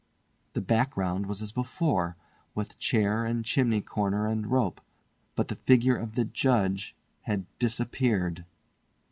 The background was as before, with chair and chimney corner and rope, but the figure of the Judge had disappeared.